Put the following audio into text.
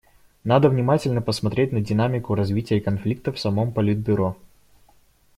Надо внимательно посмотреть на динамику развития конфликта в самом Политбюро.